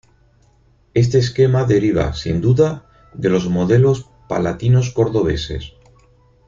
Este esquema deriva, sin duda, de los modelos palatinos cordobeses.